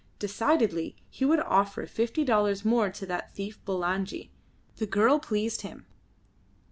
Decidedly he would offer fifty dollars more to that thief Bulangi. The girl pleased him.